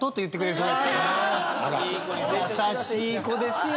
優しい子ですよ